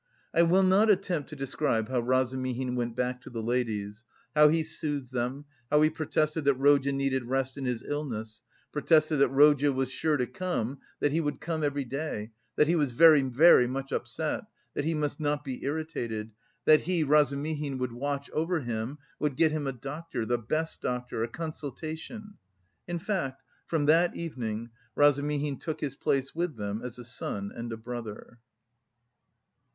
I will not attempt to describe how Razumihin went back to the ladies, how he soothed them, how he protested that Rodya needed rest in his illness, protested that Rodya was sure to come, that he would come every day, that he was very, very much upset, that he must not be irritated, that he, Razumihin, would watch over him, would get him a doctor, the best doctor, a consultation.... In fact from that evening Razumihin took his place with them as a son and a brother.